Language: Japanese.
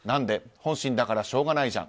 本心だからしょうがないじゃん。